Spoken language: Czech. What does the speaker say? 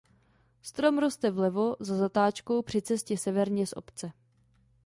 Strom roste vlevo za zatáčkou při cestě severně z obce.